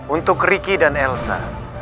untuk ricky dan elsa